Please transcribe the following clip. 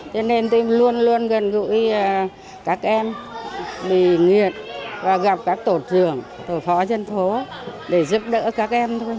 cho nên đây luôn luôn gần gũi các em bị nghiện và gặp các tổ trưởng tổ phó dân phố để giúp đỡ các em thôi